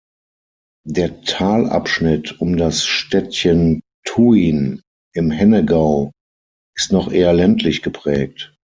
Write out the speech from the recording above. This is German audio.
Der Talabschnitt um das Städtchen Thuin im Hennegau ist noch eher ländlich geprägt.